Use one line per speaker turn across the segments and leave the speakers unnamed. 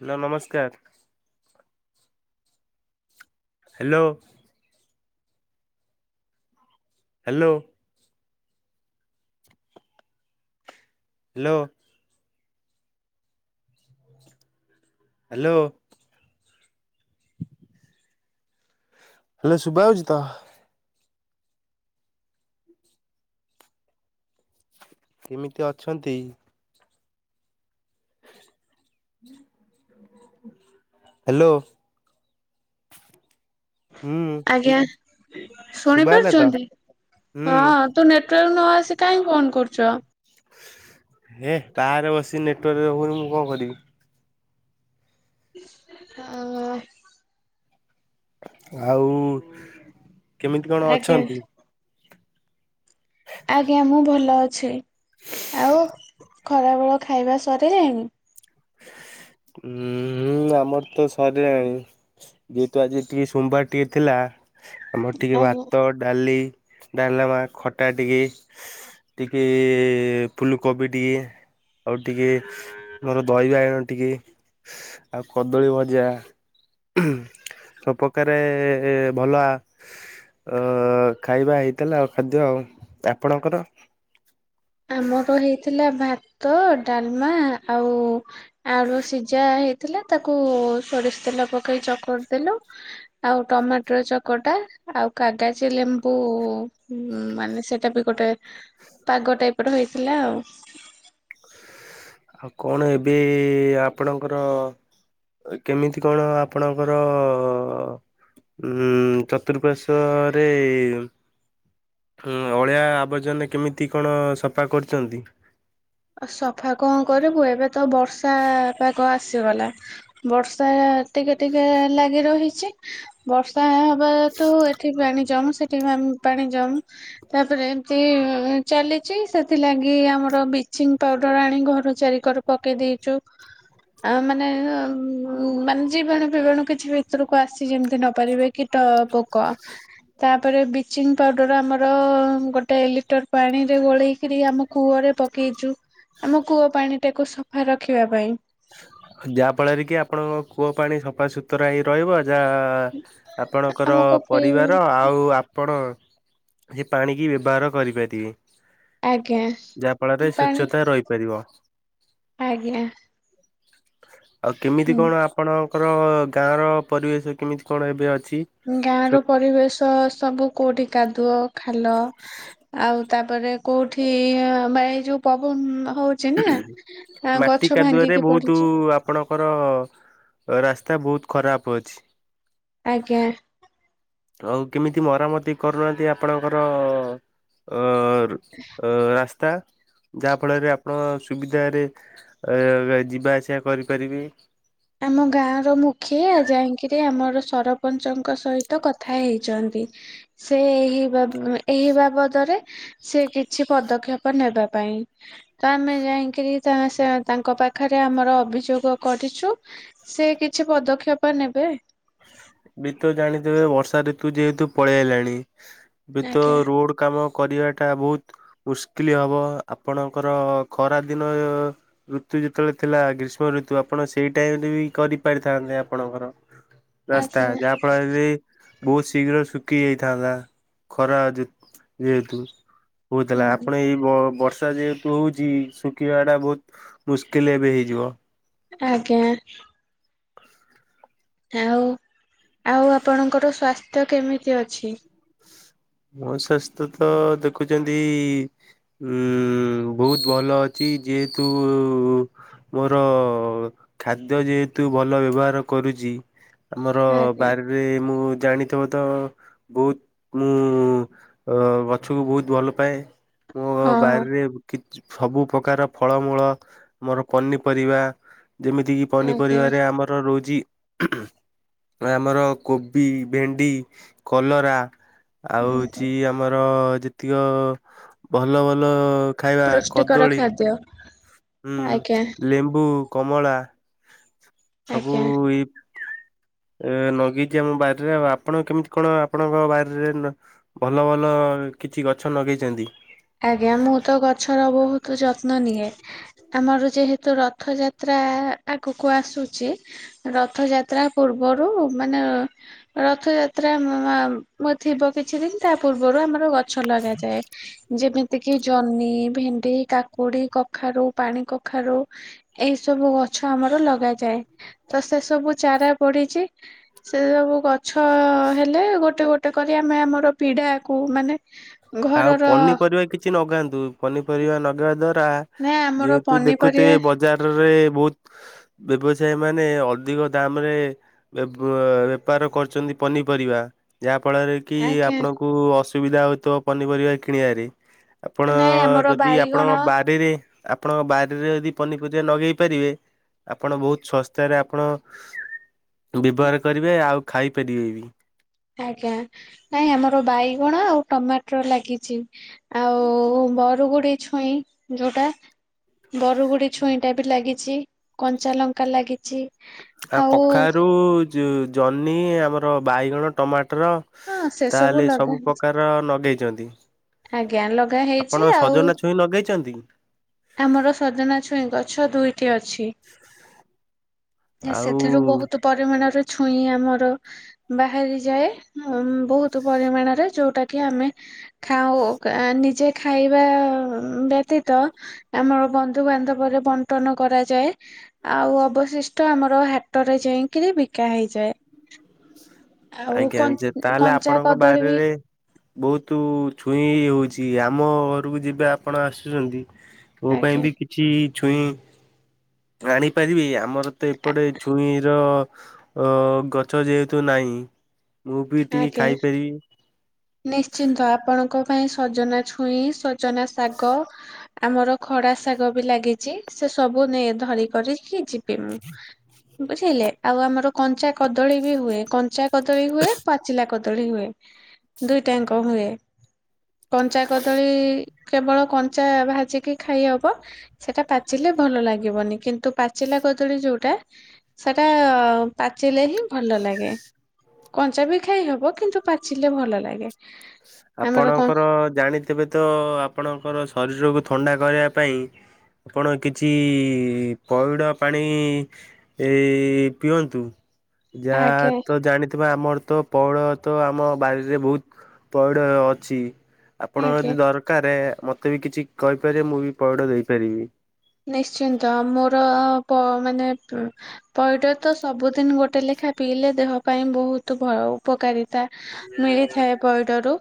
Hello ନମସ୍କାର। Hello. Hello. Hello hello hello Shubha ଯାଉଛି ତ। କିମିତି ଅଛନ୍ତି? ହ୍ୟାଲୋ। ହୁଁ
ଆଜ୍ଞା ଶୁଣି
ଶୁଭା ହେଲା ତ
ପାରୁଛନ୍ତି
ହୁଁ
ହଁ। ତ ନେଟୱାର୍କ ନ ଆସି କାହିଁ ଫୋନ୍ କରୁଛ।
ହେ ବାହାରେ ବସି ନେଟୱାର୍କରେ ରଖୁନି ମୁଁ କଣ କରିବି।
ଓ ହୋ
ଆଉ କେମିତି କଣ
ଆଜ୍ଞା
ଅଛନ୍ତି?
ଆଜ୍ଞା ମୁଁ ଭଲ ଅଛି। ଆଉ ଖରାବେଳ ଖାଇବା ସାରିଲାଣି।
ହୁଁଁ ଆମର ତ ସରିଲାଣି। ଯେହେତୁ ଆଜି ଟିକେ ସୋମବାର ଟିକେ ଥିଲା ଆମର ଟିକେ
ଆଜ୍ଞା।
ଭାତ ଡାଳି ଡାଲମା ଖଟା ଟିକେ ଟିକେ ଫୁଲକୋବି ଟିକେ ଆଉ ଟିକେ ମୋର ଦହି ବାଇଗଣ ଟିକେ ଆଉ କଦଳୀ ଭଜା। ସବୁ ପ୍ରକାରେ ଭଲ ଆ ଅ ଖାଇବା ହେଇଥିଲା ଆଉ ଖାଦ୍ୟ ଆଉ ଆପଣଙ୍କର?
ଆମର ହେଇଥିଲା ଭାତ ଡାଲମା ଆଉ ଆଳୁ ସିଝା ହେଇଥିଲା ତାକୁ ସୋରିଷ ତେଲ ପକେଇ ଚକଟି ଦେଲୁ। ଆଉ ଟମାଟୋ ଚକଟା ଆଉ କାଗଜି ଲେମ୍ବୁ ମାନେ ସେ ସେଟା ବି ଗୋଟେ ପାଗ ଟାଇପ ର ହେଇଥିଲା ଆଉ।
ଆଉ କଣ ଏବେ ଆପଣଙ୍କର କେମିତି କଣ ଆପଣଙ୍କର ଉଁ ଚତୁଃପାର୍ଶ୍ଵରେ ଅଳିଆ ଆବର୍ଜନ କେମିତି କଣ ସଫା କରୁଛନ୍ତି।
ସଫା କଣ କରିବୁ ଏବେ ତ ବର୍ଷା ପାଗ ଆସିଗଲା। ବର୍ଷା ଟିକେ ଟିକେ ଲାଗି ରହିଛି ବର୍ଷା। ବା ତୁ ଏଠି ପାଣି ଜମେ ସେଠି ପାଣି ଜମେ ତାପରେ ଏମତି ଚାଲିଛି ସେଥିଲାଗି ଆମର ବି ବଚିଙ୍ଗ ପାଉଡର ଆଣି ଘର ଚାରିିକ ପକେଇ ଦେଇଛୁ। ଆ ମାନେ ମାନେ ଜୀବାଣୁ ପିବାଣୁ କିଛି ଭିତରକୁ ଆସି ଯେମିତି ନ ପାରିବେ। କୀଟ ପୋକ। ତାପରେ ବ୍ଲିଚିଙ୍ଗ ପାଉଡର ଆମର ଗୋଟେ ଲିଟର ପାଣିରେ ଗୋଳେଇକରି ଆମ କୂଅରେ ପକେଇଛୁ ଆମ କୂଅ ପାଣି ଟାକୁ ସଫା ରଖିବା ପାଇଁ
ଯାହାଫଳରେ କି ଆପଣଙ୍କ କୂଅ ପାଣି ସଫାସୁତୁରା ହେଇ ରହିବ ଯାହା ଆପଣଙ୍କର
ଆମକୁ ପିଇ
ପରିବାର ଆଉ ଆପଣ ହେ ପାଣିକି ବ୍ୟବହାର କରିପାରିବେ।
ଆଜ୍ଞା
ଯାହା ଫଳରେ
ପାଣି
ସ୍ୱଚ୍ଛତା ରହିପାରିବ।
ଆଜ୍ଞା।
ଆଉ କେମିତି କଣ
ହୁଁ
ଆପଣଙ୍କର ଗାଁର ପରିବେଶ କେମିତି କଣ ଏବେ ଅଛି?
ଗାଁ
ସୁ
ର ପରିବେଶ ସବୁ କୋଉଠି କାଦୁଅ ଖାଲ ଆଉ ତାପରେ କୋଉଠି ମା ଏଇ ଯୋଉ ପବନ ହଉଚି
ମାଟି କାଦୁଆରେ ବହୁତୁ
ପଡିଛି
ଆ ଆପଣଙ୍କର ରାସ୍ତା ବହୁତ ଖରାପ ଅଛି।
ଆଜ୍ଞା।
ଆଉ କେମିତି ମରାମତି କରୁନାହାନ୍ତି ଆପଣଙ୍କର ଅ ଅ ରାସ୍ତା। ଯାହାଫଳରେ ଆପଣ ସୁବିଧାରେ ଯିବା ଆସିବା କରିପାରିବେ।
ଆମ ଗାଁର ମୁଖିଆ ଯାଇଁକିରି ଆମର ସରପଞ୍ଚଙ୍କ ସହିତ କଥା ହେଇଛନ୍ତି। ସେ ଏହି ବା ଏହି ବାବଦରେ ସେ କିଛି ପଦକ୍ଷେପ ନେବା ପାଇଁ। ତ ଆମେ ଯାଇଁକିରି ତ ସେ ତାଙ୍କ ପାଖରେ ଆମର ଅଭିଯୋଗ କରିଛୁ। ସେ କିଛି ପଦକ୍ଷେପ ନେବେ।
ବି ତ ଜାଣିଥିବେ ବର୍ଷା ଋତୁ ଯେହେତୁ ପଳେଇ ଆଇଲାଣି ବି ତ
ଆଜ୍ଞା।
ରୋଡ କାମ କରିବାଟା ବହୁତ ମୁସ୍କିଲ ହବ ଆପଣଙ୍କର ଖରାଦିନ ଋତୁ ଯେତେବେଳେ ଥିଲା ଗ୍ରୀଷ୍ମ ଋତୁ ଆପଣ ସେଇ ଟାଇମରେ ବି କରି ପାରିଥାନ୍ତେ ଆପଣଙ୍କର? ରାସ୍ତା
ଆଜ୍ଞା
ଯାହାଫଳରେ ବି ବହୁତ ଶୀଘ୍ର ଶୁଖି ଯାଇଥାନ୍ତା ଖରା ଯେହେତୁ। କହୁଥିଲା
ହୁଁ।
ଆପଣ ଏଇ ବର୍ଷା ଯେହେତୁ ହଉଛି ଶୁଖିବାଟା ବହୁତ ମୁସ୍କିଲ ଏବେ ହେଇଯିବ।
ଆଜ୍ଞା। ଆଉ ଆଉ ଆପଣଙ୍କର ସ୍ଵାସ୍ଥ୍ୟ କେମିତି ଅଛି?
ମୋ ସ୍ୱାସ୍ଥ୍ୟ ତ ଦେଖୁଛନ୍ତି ଉ ବହୁତ ଭଲ ଅଛି ଯେହେତୁ ମୋର ଖାଦ୍ୟ ଯେହେତୁ ଭଲ ବ୍ୟବହାର କରୁଛି। ଆମର
ଆଜ୍ଞା
ବାଡିରେ ମୁଁ ଜାଣିଥିବ ତ ବହୁତ ମୁଁ ମୁଁ ଗଛକୁ ବହୁତ ଭଲ ପାଏ ମୋ
ହଁ ହଁ
ବାରିରେ କି ସବୁ ପ୍ର୍ରକାର ଫଳମୂଳ ମୋର ପନିପରିବା ଯେମିତିକି
ଆଜ୍ଞା।
ପନିପରିବାରେ ଆମ ଆମର ରହୁଛି ଆମର କୋବି ଭେଣ୍ଡି କଲରା। ଆଉ ହଉଛି ଆମର ଯେତିକ ଭଲ ଭଲ ଖାଇବା
ପୃଷ୍ଟିକର
କଦଳୀ।
ଖାଦ୍ୟ ଆଜ୍ଞା
ହୁଁ ଲେମ୍ବୁ କମଳା ସବୁ
ଆଜ୍ଞା।
ଏଇ ଏ ନଗେଇଛି ଆମ ବାରିରେ ଆଉ ଆପଣ କେମିତି କଣ ଆପଣଙ୍କ ବାରିରେ ଭଲ ଭଲ କିଛି ଗଛ ଲଗେଇଛନ୍ତି।
ଆଜ୍ଞା ମୁଁ ତ ଗଛର ବହୁତ ଯତ୍ନ ନିଏ। ଆମର ଯେହେତୁ ରଥ ଯାତ୍ରା ଆଗକୁ ଆସୁଛି। ରଥଯାତ୍ରା ପୂର୍ବରୁ ମାନେ ରଥଯାତ୍ରା ଥିବ କିଛି ଦିନ ତା ପୂର୍ବରୁ ଆମର ଗଛ ଲଗାଯାଏ। ଯେମିତିକି ଜହ୍ନି ଭେଣ୍ଡି କାକୁଡ଼ି କଖାରୁ ପାଣି କଖାରୁ। ଏଇ ସବୁ ଗଛ ଆମର ଲଗାଯାଏ ତ ସେ ସବୁ ଚାରା ପଡିଛି। ସେ ସବୁ ଗଛ ହେଲେ ଗୋଟେ ଗୋଟେ କରି ଆମେ ଆମର ପିଢାକୁ ମାନେ
ଆଉ
ଘରର
ପନିପରିବା କିଛି ନଗାନ୍ତୁ ପନିପରିବା ନଗେଇବା ଦ୍ଵାରା
ନାଇଁ ଆମର
ଯେହେତୁ
ପନିପରିବା
ଦେଖୁଥିବେ ବ ବଜାରରେ ବହୁତ ବ୍ୟବସାୟୀ ମାନେ ଅଧିକ ଦାମ୍ ରେ ବେପାର କରୁଛନ୍ତି ପନିପରିବା ଯାହା ଫଳରେ କି
ଆଜ୍ଞା
ଆପଣଙ୍କୁ ଅସୁବିଧା ହଉଥିବ ପନିପରିବା କିଣିବାରେ। ଆପଣ
ନାଇଁ ଆମର
ଯଦି ଆପଣଙ୍କ
ବାଇଗଣ
ବାରିରେ ଆପଣଙ୍କ ବାରିରେ ଯଦି ପନିପରିବା ନଗେଇପାରିବେ। ଆପଣ ବହୁତ ଶସ୍ତାରେ ଆପଣ ବ୍ୟବହାର କରିବେ ଆଉ ଖାଇପାରିବେ ବି।
ଆଜ୍ଞା ନାଇଁ ଆମର ବାଇଗଣ ଆଉ ଟମାଟର ଲାଗିଛି। ଆଉ ବରୁଗୁଡି ଛୁଇଁ ଯୋଉଟା। ବରୁଗୁଡି ଛୁଇଁ ଟା ବି ଲାଗିଛି କଞ୍ଚା ଲଙ୍କା ଲାଗିଛି।
ଆଉ କଖାରୁ ଜହ୍ନି ଆମର ବାଇଗଣ ଟମାଟର
ହଁ ସେ
ତାହେଲେ
ଲଗା
ସବୁ ପ୍ରକାର ଲଗେଇଛନ୍ତି।
ଆଜ୍ଞା ଲଗାହେଇଛି
ଆପଣ
ଆଉ।
ସଜନା ଛୁଇଁ ଲଗେଇଛନ୍ତି?
ଆମର ସଜନା ଛୁଇଁ ଗଛ ଦୁଇଟି ଅଛି।
ଆଉ
ସେଥିରୁ ବହୁତ ପରିମାଣର ଛୁଇଁ ଆମର ବାହାରି ଯାଏ ବହୁତୁ ପରିମାଣରେ ଯୋଉଟା କି ଆମେ ଖାଉ କା ନିଜେ ଖାଇବା ବ୍ୟତୀତ ଆମର ବନ୍ଧୁବାନ୍ଧବରେ ବଣ୍ଟନ କରାଯାଏ। ଆଉ ଅବଶିଷ୍ଟ ଆମର ହାଟରେ ଯାଇକିରି ବିକା ହେଇଯାଏ। ଆଉ
ଆଜ୍ଞା
କନ୍
ଯେ
କଞ୍ଚା କଦଳୀ ବି
ବହୁତୁ ଛୁଇଁ ହଉଛି ଆମ ଘରକୁ ଯିବେ ଆପଣ ଆସୁଛନ୍ତି ତୋ ପାଇଁ
ଆଜ୍ଞା।
ବି କିଛି ଛୁଇଁ ଆଣିପାରିବେ ଆ ମର ତ
ଆ
ଏପଟେ ଛୁଇଁ ର ଅ ଗଛ ଯେହେତୁ ନାହିଁ। ମୁଁ ବି ଟିକେ
ଆଜ୍ଞା
ଖାଇପାରିବି।
ନିଶ୍ଚିନ୍ତ ଆପଣଙ୍କ ପାଇଁ ସଜନା ଛୁଇଁ ସଜନା ଶାଗ ଆମର ଖଡା ଶାଗ ବି ଲାଗିଛି ସେ ସବୁ ନେ ଧରି କରିକି ଯିବ [unintelligible] ବୁଝିଲେ ଆଉ ଆମର କଞ୍ଚା କଦଳୀ ବି ହୁଏ କଞ୍ଚା କଦଳୀ ହୁଏ। ପାଚିଲା କଦଳୀ ହୁଏ ଦୁଇଟାଙ୍କ ହୁଏ। କଞ୍ଚା କଦଳୀ କେବଳ କଞ୍ଚା ଭାଜିକି ଖାଇହବ। ସେଟା ପାଚିଲେ ଭଲ ଲାଗିବନି କିନ୍ତୁ ପାଚିଲା କଦଳୀ ଯୋଉଟା ସେଟା ପାଚିଲେ ହିଁ ଭଲ ଲାଗେ କଞ୍ଚାବି ଖାଇ ହବ କିନ୍ତୁ ପାଚିଲେ ଭଲ ଲାଗେ। ଆମର କଣ
ଆପଣଙ୍କର ଜାଣିଥିବେ ତ ଆପଣଙ୍କର ଶରୀରକୁ ଥଣ୍ଡା କରିବା ପାଇଁ ଆପଣ କିଛି ପଇଡ଼ ପାଣି ଏଇ ପିଅନ୍ତୁ। ଯାହା
ଆଜ୍ଞା
ତ ଜାଣିଥିବ ଆମର ତ ପଉଳ ତ ଆମ ବାରିରେ ବହୁତ। ପଇଡ଼ ଅଛି ଆପଣଙ୍କର
ଆଜ୍ଞା।
ଯଦି ଦର କାରେ ମତେ ବି କିଛି କହିପାରିବେ ମୁଁ ବି ପଇଡ଼ ଦେଇପାରିବି।
ନିଶ୍ଚିନ୍ତ ମୋର ପ ମାନେ ପଇଡ଼ ତ ସବୁଦିନ ଗୋଟେ ଲେଖା ପିଇଲେ ଦେହ ପାଇଁ ବହୁତ ଭ ଉ ପକାରିତା ମିଳିଥାଏ ପଇଡ଼ ରୁ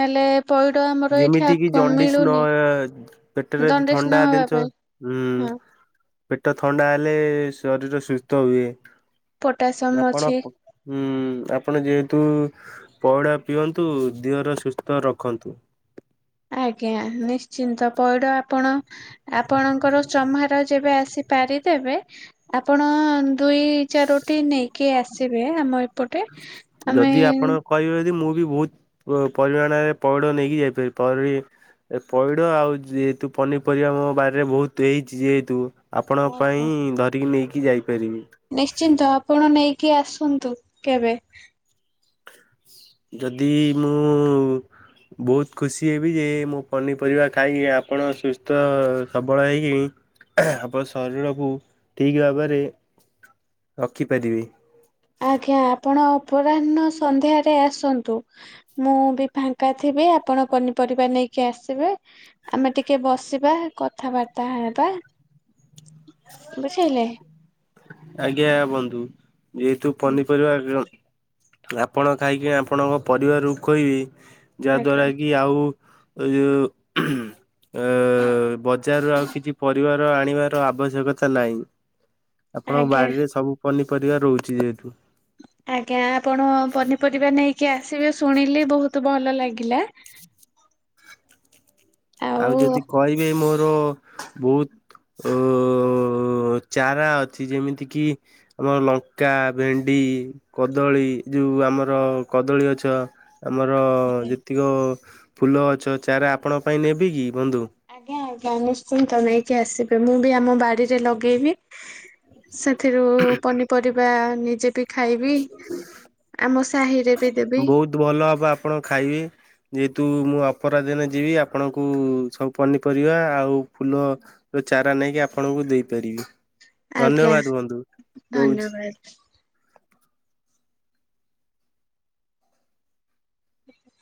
ହେଲେ ପଇଡ଼ ଆ
ଯେମିତି କିି ଜଣ୍ଡିସ୍ ନ ପେଟରେ ଯଦି
ଦଣ୍ଡେସ୍
ଥଣ୍ଡା
ନ ହବା
ଦିନିଶ
ପାଇଁ
ହୁଁ।
ହଁ
ପେଟ ଥଣ୍ଡା ହେଲେ ଶରୀର ସୁସ୍ଥ ହୁଏ
ପୋଟାସିୟମ
ଆପଣ
ଅଛି
ହୁଁ ଆପଣ ଯେହେତୁ ପଇଡ଼ ପିଅନ୍ତୁ ଦିହର ସୁସ୍ଥ ରଖନ୍ତୁ।
ଆଜ୍ଞା ନିଶ୍ଚିନ୍ତ ପଇଡ଼ ଆପଣ ଆପଣଙ୍କର ଚମହାର ଯେବେ ଆସି ପାରିଦେବେ ଆପଣ ଦୁଇ ଚାରୋଟି ନେଇକି ଆସିବେ ଆମ ଏପଟେ ଆମେ
ଯଦି ଆପଣ କହିବେ ଯଦି ମୁଁ ବି ବହୁତ ପ ପରିମାଣରେ ପଇଡ଼ ନେଇକି ଯାଇପାରିବି ପରି ଏ ପଇଡ଼ ଆଉ ଯେହେତୁ ପନିପରିବା ମୋ ବାରିରେ ବହୁତ ହେଇଛି ଯେହେତୁ ଆପଣଙ୍କ
ଓହୋ
ପାଇଁ ଧରିକି ନେଇକି ଯାଇପାରିବି।
ନିଶ୍ଚିନ୍ତ ଆପଣ ନେଇକି ଆସନ୍ତୁ କେବେ?
ଯଦି ମୁଁ ବହୁତ ଖୁସି ହେବି ଯେ ମୁଁ ପନିପରିବା ଖାଇକି ଆପଣ ସୁସ୍ଥ ସବଳ ହେଇକିଣି [unintelligible] ଆପଣଙ୍କ ଶରୀରକୁ ଠିକ ଭାବରେ ରଖିପାରିବେ।
ଆଜ୍ଞା ଆପଣ ଅପରାହ୍ନ ସନ୍ଧ୍ୟାରେ ଆସନ୍ତୁ। ମୁଁ ବି ଫାଙ୍କା ଥିବି ଆପଣ ପନିପରିବା ନେଇକି ଆସିବେ। ଆମେ ଟିକେ ବସିବା କଥାବାର୍ତ୍ତା ହେବା ବୁଝିଲେ।
ଆଜ୍ଞା ବନ୍ଧୁ ଯେହେତୁ ପନିପରିବା ଆପଣ ଖାଇକି ଆପଣଙ୍କ ପରିବାରୋକ କହିବେ
ଆଜ୍ଞା
ଯାହାଦ୍ଵାରା କି ଆଉ ଯଉ ଆ ବଜାରରୁ ଆଉ କିଛି ପରିବାର ଆଣିବାର ଆବଶ ଶ୍ୟକତା ନାହିଁ ଆପଣଙ୍କ
ଆଜ୍ଞା।
ବଡ଼ିରେ ସବୁ ପନିପରିବା ରହୁଛି ଯେହେତୁ।
ଆଜ୍ଞା ଆପଣ ପନିପରିବା ନେଇକି ଆସିବେ ଶୁଣିଲି ବହୁତ ଭଲ ଲାଗିଲା।
ଆଉ ଯଦି କହିବେ ମୋର ବହୁତ ଓ ଚାରା ଅଛି ଯେମିତି କିି ଆମର ଲଙ୍କା ଭେଣ୍ଡି କଦଳୀ ଯୋଉ ଆମର କଦଳୀ ଗଛ। ଆମର ଯେତିକ ଫୁଲ ଗଛ ଚାରା ଆପଣଙ୍କ ପାଇଁ ନେବି କିି ବନ୍ଧୁ।
ଆଜ୍ଞା ଆଜ୍ଞା ନିଶ୍ଚିନ୍ତ ନେଇକି ଆସିବେ ମୁଁ ବି ଆମ ବାଡିରେ ଲଗେଇବି। ସେଥିରୁ ପନିପରିବା ନିଜେ ବି ଖାଇବି ଆମ ସାହିରେ ବି ଦେବି।
ବହୁତ ଭଲ ହବ ଆପଣ ଖାଇବେ। ଯେହେତୁ ମୁଁ ଅପରା ଦିନ ଯିବି ଆପଣଙ୍କୁ ସବୁ ପନିପରିବା ଆଉ ଫୁଲ ତ ଚାରା ନେଇକି ଆପଣଙ୍କୁ ଦେଇପାରିବି
ଆଜ୍ଞା
ଧନ୍ୟବାଦ ବନ୍ଧୁ ରହୁଚି।
ଧନ୍ୟବାଦ। ଆ୍ା